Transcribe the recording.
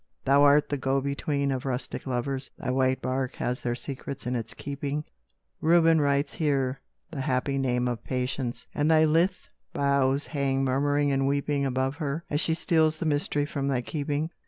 Thou art the go between of rustic lovers; Thy white bark has their secrets in its keeping; Reuben writes here the happy name of Patience, And thy lithe boughs hang murmuring and weeping Above her, as she steals the mystery from thy keeping.